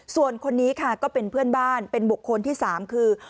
ส่วนคนนี้ค่ะก็เป็นเพื่อนบ้านเป็นบุคคลที่๓คือ